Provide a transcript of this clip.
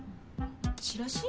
チラシ？